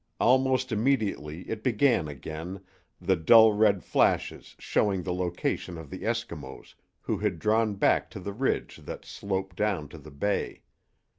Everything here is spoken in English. Almost immediately it began again, the dull red flashes showing the location of the Eskimos, who had drawn back to the ridge that sloped down to the Bay.